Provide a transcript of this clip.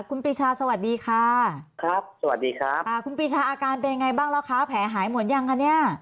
คุณปรีชาสวัสดีค่ะคุณปรีชาอาการเป็นอย่างไรบ้างแล้วคะแผลหายหมดหรือยังคะ